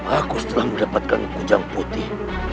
aku setelah mendapatkan kujang putih